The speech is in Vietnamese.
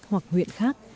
hoặc huyện khác